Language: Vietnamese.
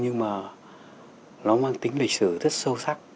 nhưng mà nó mang tính lịch sử rất sâu sắc